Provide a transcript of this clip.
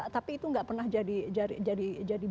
tapi itu tidak pernah jadi barang atau jadi isu